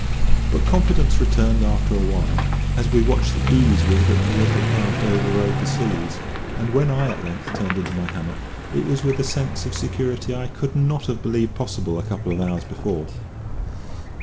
But confidence returned after a while, as we watched the ease with which the little craft overrode the seas; and when I at length turned into my hammock, it was with a sense of security I could not have believed possible a couple of hours before.